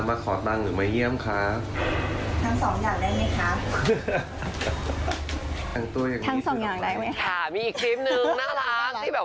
ปับนึงสงสารเค้าก่อนแล้ว